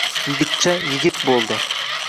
Yigitcha yigit bo`ldi